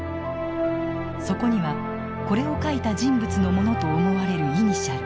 そこにはこれを書いた人物のものと思われるイニシャル。